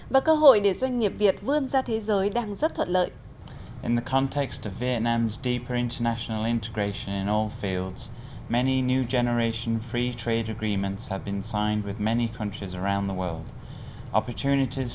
và cơ hội để doanh nghiệp việt vươn ra thế giới đang rất thuận lợi